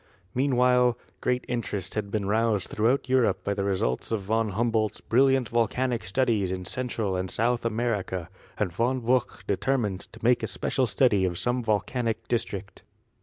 Meanwhile great interest had been roused throughout Europe by the results of Von Humboldt's brilliant volcanic studies in Central and South America, and Von Buch determined to make a spe cial study of some volcanic district.